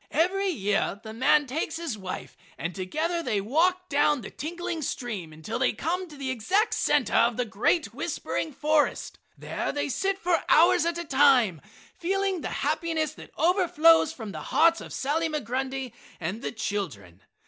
Every year the man takes his wife, and together they walk down the tinkling stream until they came to the exact center of the great whispering forest; there they sit for hours at a time, feeling the happiness that overflows from the hearts of Sally Migrundy and the children.